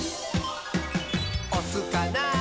「おすかな？